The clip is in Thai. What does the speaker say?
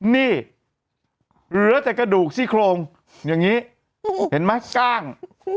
นี่เหลือแต่กระดูกซี่โครงอย่างนี้เห็นไหมกล้าง